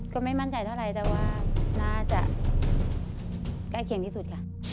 ก็ไม่มั่นใจเท่าไหร่แต่ว่าน่าจะใกล้เคียงที่สุดค่ะ